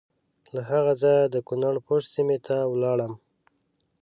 له هغه ځایه د کنړ پَشَت سیمې ته ولاړم.